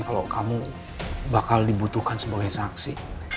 kalau kamu bakal dibutuhkan sebagai saksi